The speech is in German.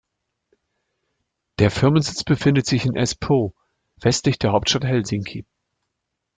Der Firmensitz befindet sich in Espoo, westlich der Hauptstadt Helsinki.